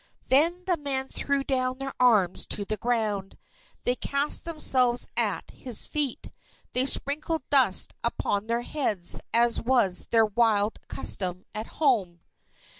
Then the men threw down their arms to the ground. They cast themselves at his feet. They sprinkled dust upon their heads as was their wild custom at home.